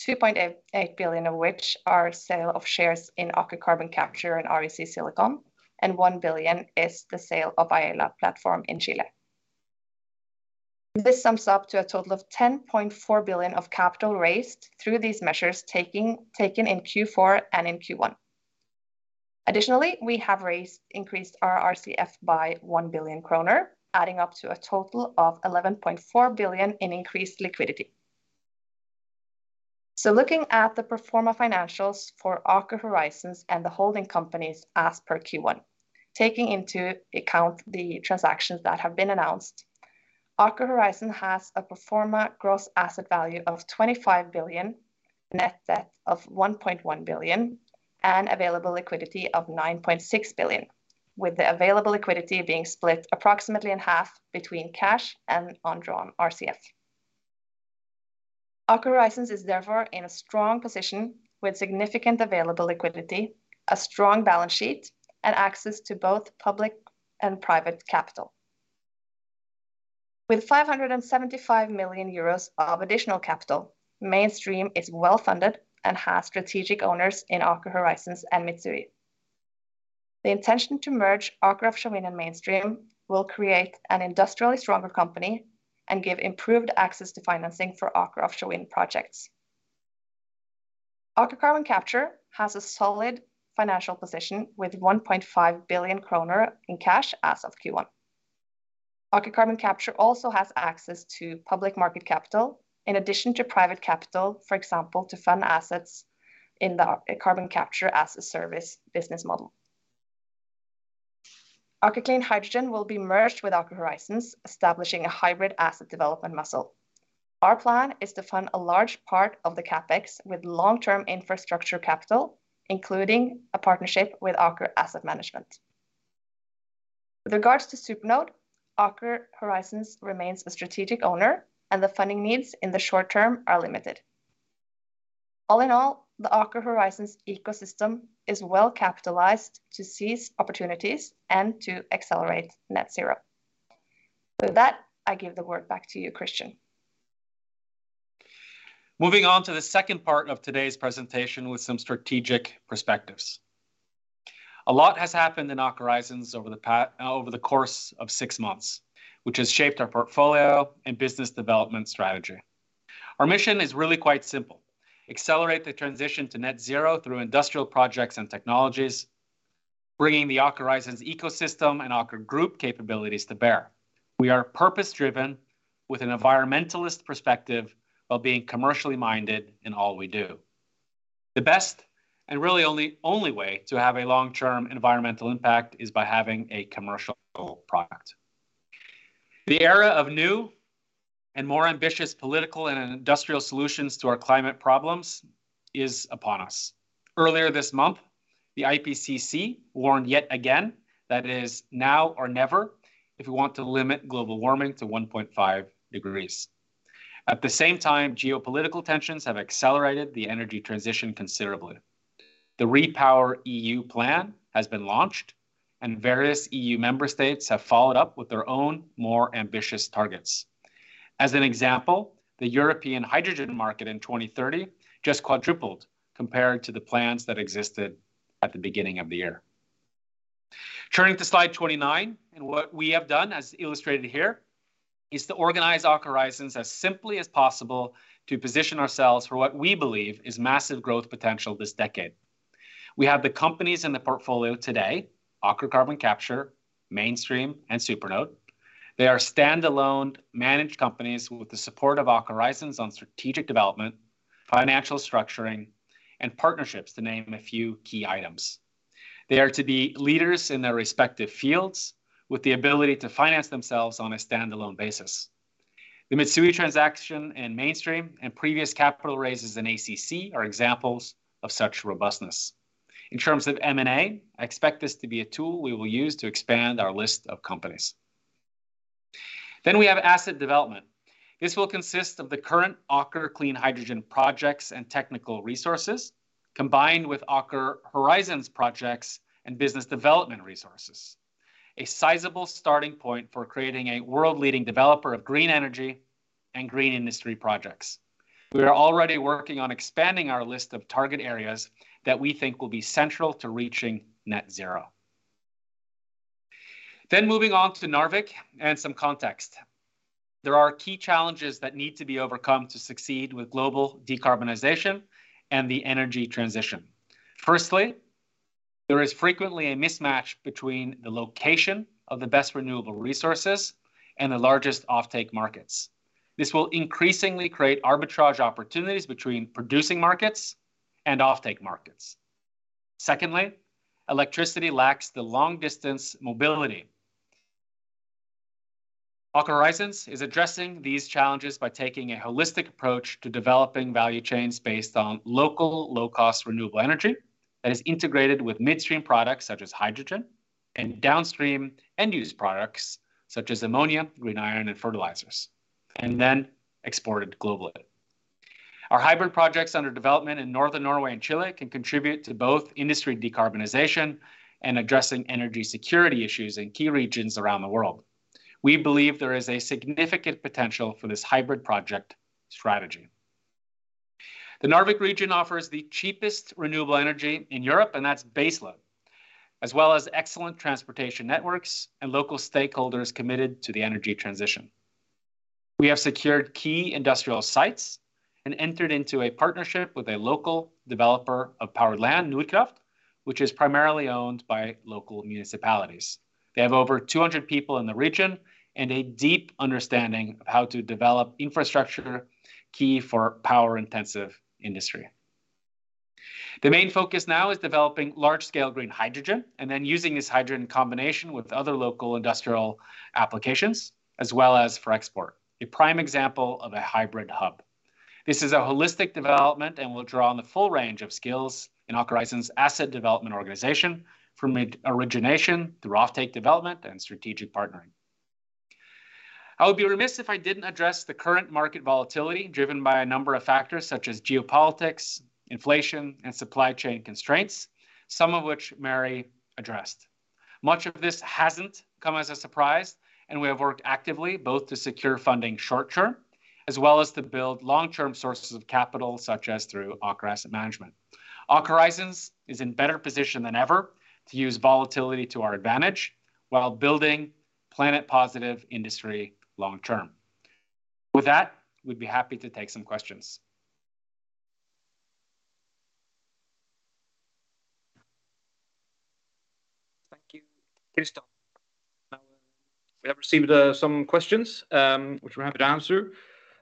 2.8 billion of which are sale of shares in Aker Carbon Capture and REC Silicon, and 1 billion is the sale of Aela platform in Chile. This sums up to a total of 10.4 billion of capital raised through these measures taken in Q4 and in Q1. Additionally, we have increased our RCF by 1 billion kroner, adding up to a total of 11.4 billion in increased liquidity. Looking at the pro forma financials for Aker Horizons and the holding companies as per Q1, taking into account the transactions that have been announced, Aker Horizons has a pro forma gross asset value of 25 billion, net debt of 1.1 billion, and available liquidity of 9.6 billion, with the available liquidity being split approximately in half between cash and undrawn RCF. Aker Horizons is therefore in a strong position with significant available liquidity, a strong balance sheet, and access to both public and private capital. With 575 million euros of additional capital, Mainstream is well-funded and has strategic owners in Aker Horizons and Mitsui. The intention to merge Aker Offshore Wind and Mainstream will create an industrially stronger company and give improved access to financing for Aker Offshore Wind projects. Aker Carbon Capture has a solid financial position with 1.5 billion kroner in cash as of Q1. Aker Carbon Capture also has access to public market capital, in addition to private capital, for example, to fund assets in the carbon capture as a service business model. Aker Clean Hydrogen will be merged with Aker Horizons, establishing a hybrid asset development muscle. Our plan is to fund a large part of the CapEx with long-term infrastructure capital, including a partnership with Aker Asset Management. With regards to SuperNode, Aker Horizons remains a strategic owner, and the funding needs in the short term are limited. All in all, the Aker Horizons ecosystem is well-capitalized to seize opportunities and to accelerate net zero. With that, I give the word back to you, Kristian. Moving on to the second part of today's presentation with some strategic perspectives. A lot has happened in Aker Horizons over the course of six months, which has shaped our portfolio and business development strategy. Our mission is really quite simple, accelerate the transition to net zero through industrial projects and technologies, bringing the Aker Horizons ecosystem and Aker group capabilities to bear. We are purpose-driven with an environmentalist perspective while being commercially minded in all we do. The best and really only way to have a long-term environmental impact is by having a commercial product. The era of new and more ambitious political and industrial solutions to our climate problems is upon us. Earlier this month, the IPCC warned yet again that it is now or never if we want to limit global warming to 1.5 degrees. At the same time, geopolitical tensions have accelerated the energy transition considerably. The REPowerEU plan has been launched, and various E.U. Member states have followed up with their own more ambitious targets. As an example, the European hydrogen market in 2030 just quadrupled compared to the plans that existed at the beginning of the year. Turning to slide 29, what we have done, as illustrated here, is to organize Aker Horizons as simply as possible to position ourselves for what we believe is massive growth potential this decade. We have the companies in the portfolio today, Aker Carbon Capture, Mainstream, and SuperNode. They are stand-alone managed companies with the support of Aker Horizons on strategic development, financial structuring, and partnerships to name a few key items. They are to be leaders in their respective fields with the ability to finance themselves on a standalone basis. The Mitsui transaction and Mainstream and previous capital raises in ACC are examples of such robustness. In terms of M&A, I expect this to be a tool we will use to expand our list of companies. We have asset development. This will consist of the current Aker Clean Hydrogen projects and technical resources, combined with Aker Horizons projects and business development resources. A sizable starting point for creating a world-leading developer of green energy and green industry projects. We are already working on expanding our list of target areas that we think will be central to reaching net zero. Moving on to Narvik and some context. There are key challenges that need to be overcome to succeed with global decarbonization and the energy transition. Firstly, there is frequently a mismatch between the location of the best renewable resources and the largest offtake markets. This will increasingly create arbitrage opportunities between producing markets and offtake markets. Secondly, electricity lacks the long-distance mobility. Aker Horizons is addressing these challenges by taking a holistic approach to developing value chains based on local low-cost renewable energy that is integrated with midstream products such as hydrogen and downstream end-use products such as ammonia, green iron, and fertilizers, and then exported globally. Our hybrid projects under development in Northern Norway and Chile can contribute to both industry decarbonization and addressing energy security issues in key regions around the world. We believe there is a significant potential for this hybrid project strategy. The Narvik region offers the cheapest renewable energy in Europe, and that's baseload, as well as excellent transportation networks and local stakeholders committed to the energy transition. We have secured key industrial sites and entered into a partnership with a local developer of Powered Land, Nordkraft, which is primarily owned by local municipalities. They have over 200 people in the region and a deep understanding of how to develop infrastructure key for power-intensive industry. The main focus now is developing large-scale green hydrogen and then using this hydrogen in combination with other local industrial applications as well as for export, a prime example of a hybrid hub. This is a holistic development and will draw on the full range of skills in Aker Horizons asset development organization from origination through offtake development and strategic partnering. I would be remiss if I didn't address the current market volatility driven by a number of factors such as geopolitics, inflation, and supply chain constraints, some of which Mary addressed. Much of this hasn't come as a surprise, and we have worked actively both to secure funding short-term, as well as to build long-term sources of capital, such as through Aker Asset Management. Aker Horizons is in better position than ever to use volatility to our advantage while building planet positive industry long-term. With that, we'd be happy to take some questions. Thank you, Kristian. Now, we have received some questions, which we're happy to answer.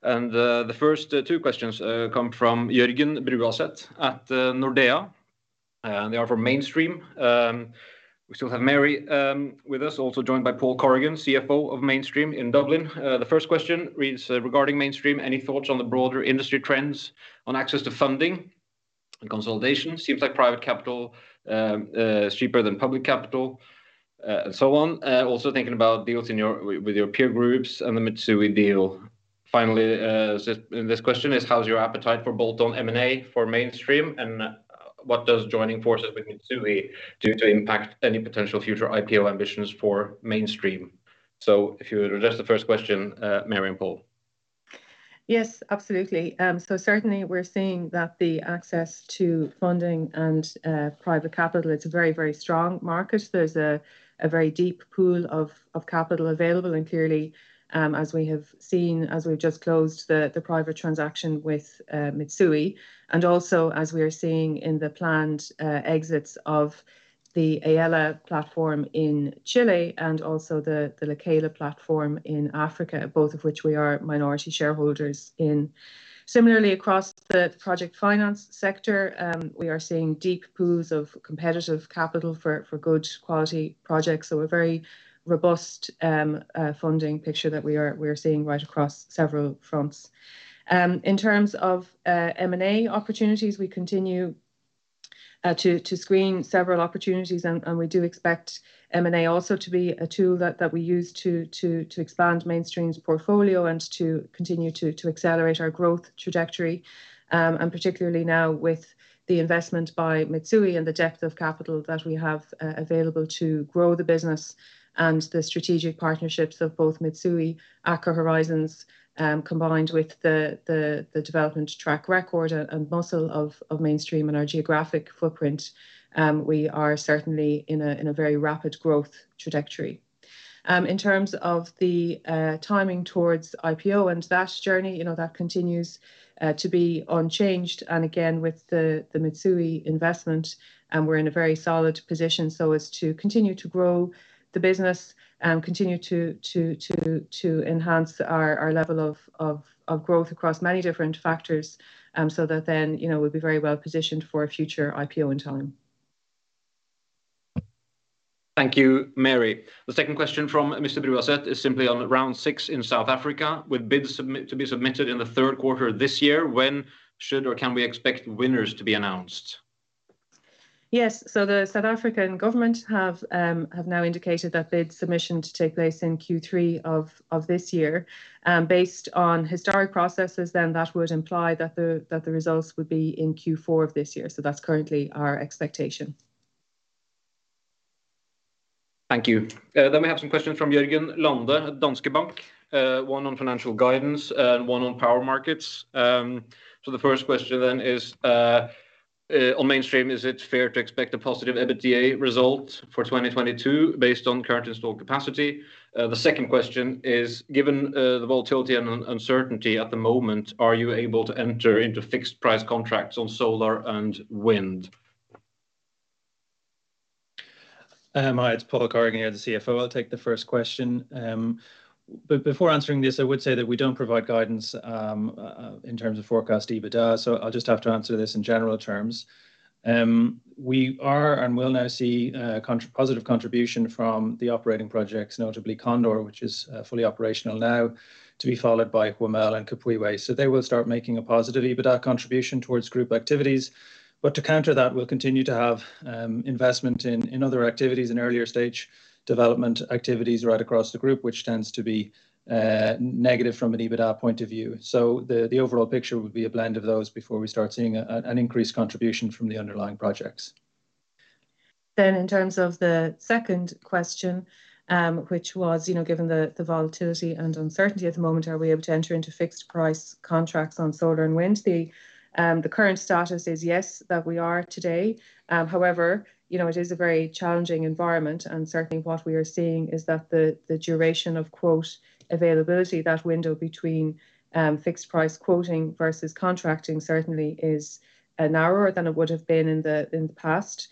The first two questions come from Jørgen Bruaset at Nordea, and they are for Mainstream. We still have Mary with us, also joined by Paul Corrigan, CFO of Mainstream in Dublin. The first question reads, "Regarding Mainstream, any thoughts on the broader industry trends on access to funding and consolidation? Seems like private capital is cheaper than public capital, and so on. Also thinking about deals with your peer groups and the Mitsui deal." Finally, this question is, "How's your appetite for bolt-on M&A for Mainstream, and what does joining forces with Mitsui do to impact any potential future IPO ambitions for Mainstream?" If you would address the first question, Mary and Paul. Yes, absolutely. Certainly we're seeing that the access to funding and private capital, it's a very, very strong market. There's a very deep pool of capital available. Clearly, as we have seen, as we've just closed the private transaction with Mitsui, and also as we are seeing in the planned exits of the Aela platform in Chile and also the Lekela platform in Africa, both of which we are minority shareholders in. Similarly across the project finance sector, we are seeing deep pools of competitive capital for good quality projects. A very robust funding picture that we are seeing right across several fronts. In terms of M&A opportunities, we continue to screen several opportunities. We do expect M&A also to be a tool that we use to expand Mainstream's portfolio and to continue to accelerate our growth trajectory. Particularly now with the investment by Mitsui and the depth of capital that we have available to grow the business and the strategic partnerships of both Mitsui, Aker Horizons, combined with the development track record and muscle of Mainstream and our geographic footprint, we are certainly in a very rapid growth trajectory. In terms of the timing towards IPO and that journey, you know, that continues to be unchanged and again with the Mitsui investment, and we're in a very solid position so as to continue to grow the business, continue to enhance our level of growth across many different factors, so that then, you know, we'll be very well positioned for a future IPO in time. Thank you, Mary. The second question from Mr. Bruaset is simply on round six in South Africa. With bids to be submitted in the third quarter of this year, when should or can we expect winners to be announced? Yes. The South African government have now indicated that bid submission to take place in Q3 of this year. Based on historic processes then, that would imply that the results would be in Q4 of this year. That's currently our expectation. Thank you. We have some questions from Jørgen Lunde at Danske Bank, one on financial guidance and one on power markets. The first question then is, on Mainstream, is it fair to expect a positive EBITDA result for 2022 based on current installed capacity? The second question is, given the volatility and uncertainty at the moment, are you able to enter into fixed price contracts on solar and wind? Hi, it's Paul Corrigan, the CFO. I'll take the first question. Before answering this, I would say that we don't provide guidance in terms of forecast EBITDA, so I'll just have to answer this in general terms. We are and will now see continued positive contribution from the operating projects, notably Cóndor, which is fully operational now, to be followed by Huemul and Copihue. They will start making a positive EBITDA contribution towards group activities. To counter that, we'll continue to have investment in other activities in earlier stage development activities right across the group, which tends to be negative from an EBITDA point of view. The overall picture would be a blend of those before we start seeing an increased contribution from the underlying projects. In terms of the second question, which was, you know, given the volatility and uncertainty at the moment, are we able to enter into fixed price contracts on solar and wind? The current status is yes, that we are today. However, you know, it is a very challenging environment, and certainly what we are seeing is that the duration of quote availability, that window between fixed price quoting versus contracting certainly is narrower than it would have been in the past.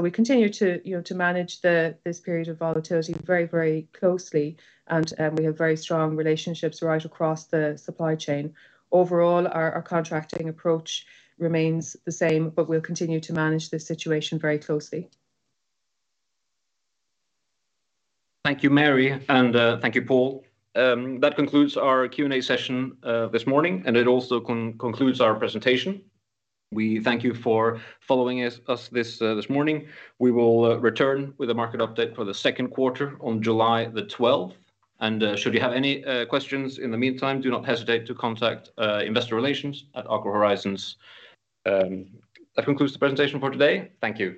We continue to, you know, manage this period of volatility very, very closely, and we have very strong relationships right across the supply chain. Overall, our contracting approach remains the same, but we'll continue to manage this situation very closely. Thank you, Mary, and thank you, Paul. That concludes our Q&A session this morning, and it also concludes our presentation. We thank you for following us this morning. We will return with a market update for the second quarter on July the 12th. Should you have any questions in the meantime, do not hesitate to contact investor relations at Aker Horizons. That concludes the presentation for today. Thank you.